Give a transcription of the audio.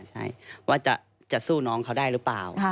ใช่ว่าจะสู้น้องเขาได้หรือเปล่า